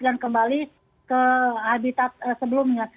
dan kembali ke habitat sebelumnya